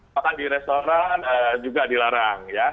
makan di restoran juga dilarang ya